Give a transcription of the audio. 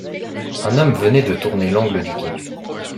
Un homme venait de tourner l’angle du quai.